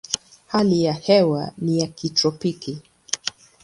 Hali ya hewa ni ya kitropiki.